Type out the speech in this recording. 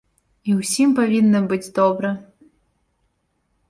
І ўсім павінна быць добра.